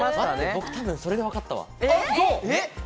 僕、多分それでわかったわ。